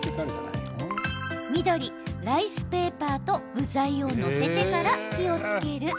緑・ライスペーパーと具材を載せてから火をつける。